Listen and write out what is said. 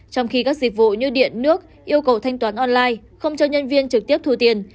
trong khi các dịch vụ như điện nước yêu cầu thanh toán online không cho nhân viên trực tiếp thu tiền